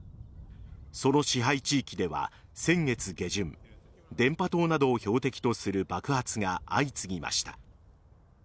その支配地域では先月下旬電波塔などを標的とする爆発が相次ぎました。